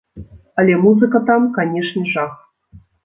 Але музыка там, канешне, жах.